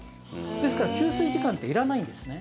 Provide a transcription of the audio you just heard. ですから、吸水時間っていらないんですね。